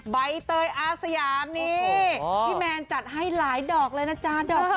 ใบเตยอาสยามนี่พี่แมนจัดให้หลายดอกเลยนะจ๊ะ